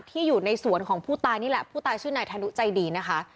อยู่ในสวนของผู้ตายนี่แหละผู้ตายชื่อนายธนุใจดีนะคะ